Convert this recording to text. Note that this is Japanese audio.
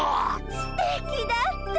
すてきだった！